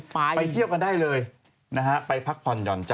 ไปเที่ยวกันได้เลยไปพักผ่อนหย่อนใจ